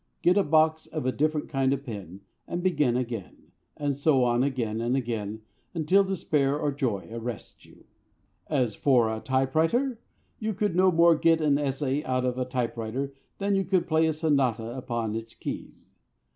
Get a box of a different kind of pen and begin again, and so on again and again until despair or joy arrests you. As for a typewriter, you could no more get an essay out of a typewriter than you could play a sonata upon its keys.